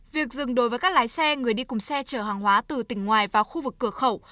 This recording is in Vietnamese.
việc dừng đối với các lái xe người đi cùng xe chở hàng hóa từ tỉnh ngoài vào khu vực cửa khẩu